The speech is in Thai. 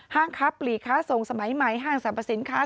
ค้าปลีกค้าส่งสมัยใหม่ห้างสรรพสินค้า